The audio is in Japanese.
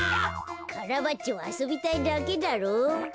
カラバッチョはあそびたいだけだろう。